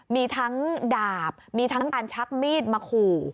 มีทั้งดาบมีทั้งการชักมีดมาขู่